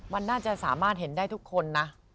มันน่าจะสามารถเห็นได้ทุกคนนะ